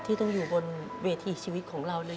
ที่ต้องอยู่บนเวทีชีวิตของเราเลย